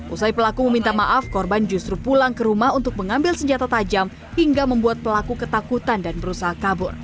usai pelaku meminta maaf korban justru pulang ke rumah untuk mengambil senjata tajam hingga membuat pelaku ketakutan dan berusaha kabur